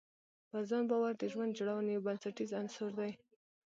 پر ځان باور د ژوند جوړونې یو بنسټیز عنصر دی.